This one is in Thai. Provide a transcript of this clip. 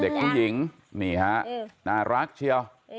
เด็กผู้หญิงนี่ฮะน่ารักเชียว